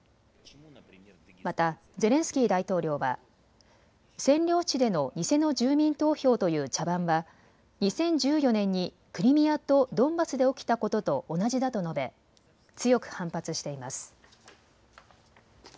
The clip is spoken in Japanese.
またゼレンスキー大統領は占領地での偽の住民投票という茶番は２０１４年にクリミアとドンバスで起きたことと同じだと述べ強く反発しています。